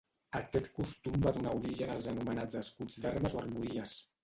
Aquest costum va donar origen als anomenats escuts d'armes o armories.